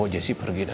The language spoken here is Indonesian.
saya mensembankan kamu